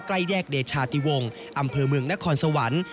ใกล้แยกเดชาติวงศ์อำเภอเมืองนครสวรรค์